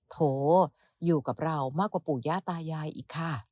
โถอยู่กับเรามากกว่าปู่ย่าตายายอีกค่ะ